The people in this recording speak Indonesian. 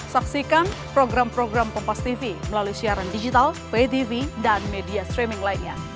saksikan program program kompastv melalui siaran digital vtv dan media streaming lainnya